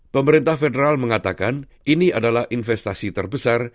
pemerintah federal mengatakan ini adalah investasi terbesar